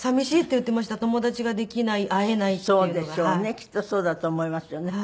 きっとそうだと思いますよね。